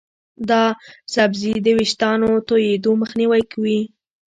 دا سبزی د ویښتانو تویېدو مخنیوی کوي.